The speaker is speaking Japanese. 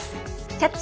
「キャッチ！